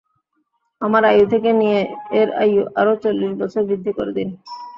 আমার আয়ু থেকে নিয়ে এর আয়ু আরো চল্লিশ বছর বৃদ্ধি করে দিন।